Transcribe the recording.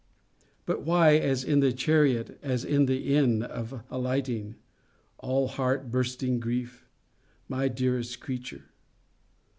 But why, as in the chariot, as in the inn, at alighting, all heart bursting grief, my dearest creature?